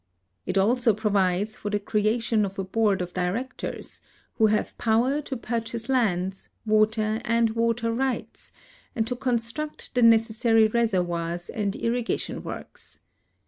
It also provides for the creation of a board of directors, who have power to purchase lands, water and water rights, and to construct the necessary reservoirs and irrigation works.